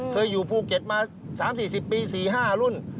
อยู่ภูเก็ตมา๓๔๐ปี๔๕รุ่น